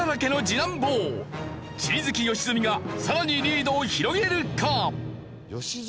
地理好き良純がさらにリードを広げるか！？